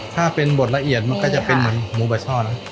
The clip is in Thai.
ถ้าเป็นบทละเอียดมันก็จะเป็นเหมือนหมูบัช่อนะ